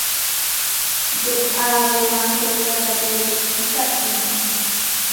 Do"aago maako daga dow lekki faɗɗi mo.